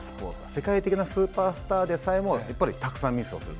世界的なスーパースターでさえもたくさんのミスをする。